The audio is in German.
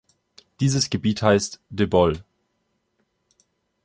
Dieses Gebiet heißt "De Bol".